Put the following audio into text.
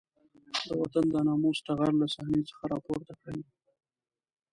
د وطن د ناموس ټغر له صحنې څخه راپورته کړی دی.